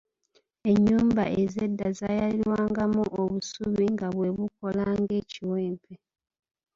Ennyumba ez'edda zaayalirirwangamu obusubi nga bwe bukola ng’ekiwempe.